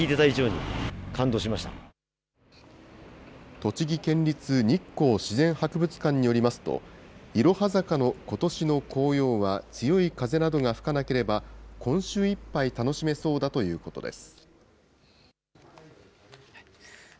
栃木県立日光自然博物館によりますと、いろは坂のことしの紅葉は、強い風などが吹かなければ、今週いっぱい楽しめそうだということです。